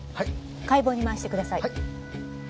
解剖に回してください。